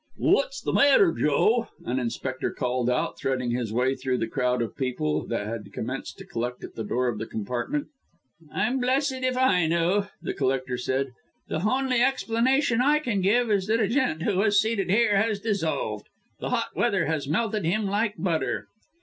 "What's the matter, Joe?" an inspector called out, threading his way through the crowd of people, that had commenced to collect at the door of the compartment. "I'm blessed if I know!" the collector said. "The honly explanation I can give is that a gent who was seated here has dissolved the hot weather has melted him like butter!"